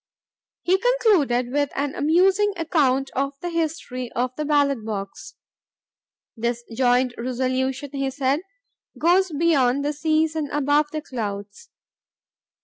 He concluded with an amusing account of the history of the ballot box. "This joint resolution," he said, "goes beyond the seas and above the clouds.